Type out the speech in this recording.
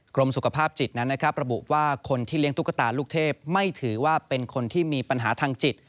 กรมสุขภาพจิตนั้นนะครับระบุว่าคนที่เลี้ยงตุ๊กตาลูกเทพไม่ถือว่าเป็นคนที่มีปัญหาทางจิต